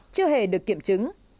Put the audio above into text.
chưa hề được kiểm chứng